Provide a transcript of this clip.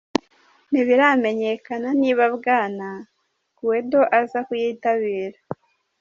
Ntibiramenyekana niba Bwana Guaidó aza kuyitabira.